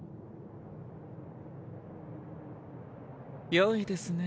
よいですね。